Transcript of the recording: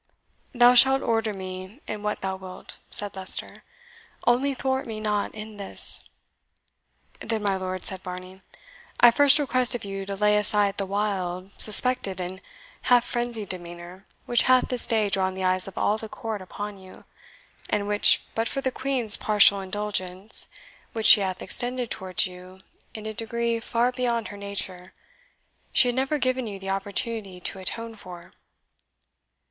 "Thou shalt order me in what thou wilt," said Leicester, "only thwart me not in this." "Then, my lord," said Varney, "I first request of you to lay aside the wild, suspected, and half frenzied demeanour which hath this day drawn the eyes of all the court upon you, and which, but for the Queen's partial indulgence, which she hath extended towards you in a degree far beyond her nature, she had never given you the opportunity to atone for."